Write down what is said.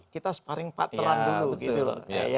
kita sparring partneran dulu